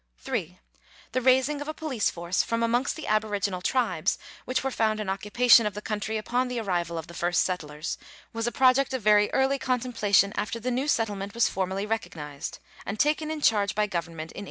3. The raising of a police force from amongst the aboriginal tribes, which were found in occupation of the country upon the arrival of the first settlers, was a project of very early contempla tion after the new settlement was formally recognised, and taken in charge by Government in 1836.